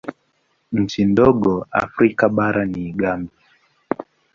Nchi ndogo Afrika bara ni Gambia.